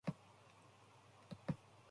He lived in Pune.